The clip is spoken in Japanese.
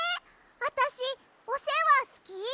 あたしおせわすき？